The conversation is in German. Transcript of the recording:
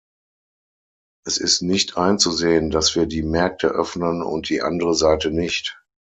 Es ist nicht einzusehen, dass wir die Märkte öffnen und die andere Seite nicht.